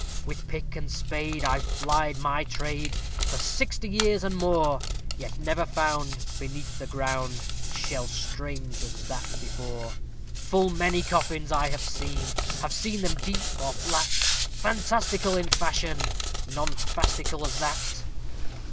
"With pick and spade I've plied my trade for sixty years and more, Yet never found, beneath the ground, shell strange as that before; Full many coffins have I seen have seen them deep or flat, Fantastical in fashion none fantastical as that."